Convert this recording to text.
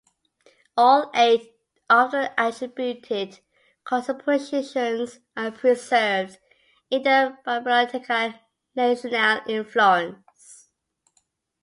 All eight of the attributed compositions are preserved in the Biblioteca Nazionale in Florence.